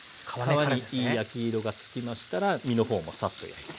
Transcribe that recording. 皮にいい焼き色がつきましたら身の方もサッと焼いて。